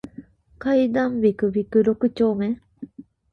階段ビクビク六丁目